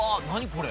これ。